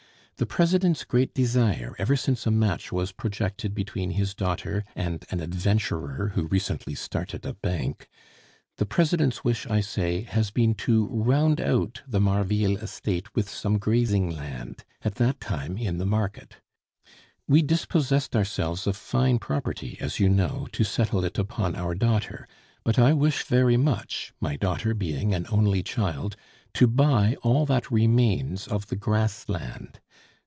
The President's great desire, ever since a match was projected between his daughter and an adventurer who recently started a bank, the President's wish, I say, has been to round out the Marville estate with some grazing land, at that time in the market. We dispossessed ourselves of fine property, as you know, to settle it upon our daughter; but I wish very much, my daughter being an only child, to buy all that remains of the grass land.